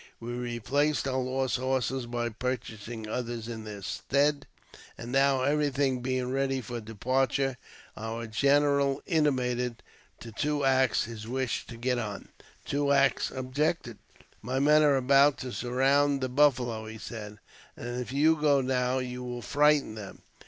We replaced our lost horses by purchasing others in their stead; and now, everything being ready for departure, our general intimated to Two Axe his wish to get on. Two Axe objected. "My men are about to surround the buffalo," he said; "if you go now, you will frighten them.